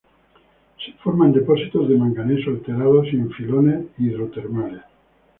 Se forma en depósitos de manganeso alterados y en filones hidrotermales.